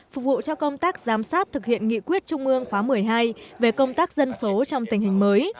phục vụ cho công tác giám sát thực hiện nghị quyết trung ương khóa một mươi hai về công tác dân số trong tình hình mới